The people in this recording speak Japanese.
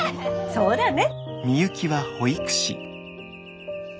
そうだね。